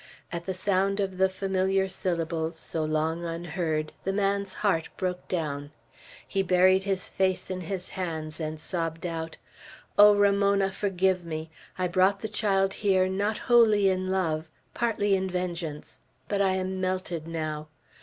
At the sound of the familiar syllables, so long unheard, the man's heart broke down. He buried his face in his hands, and sobbed out: "O Ramona, forgive me! I brought the child here, not wholly in love; partly in vengeance. But I am melted now.